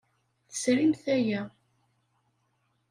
Tesrimt aya.